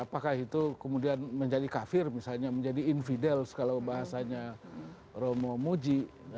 apakah itu kemudian menjadi kafir misalnya menjadi infideal kalau bahasanya romo muji